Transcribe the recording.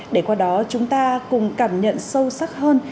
để qua đó chúng ta cùng cảm nhận sâu sắc hơn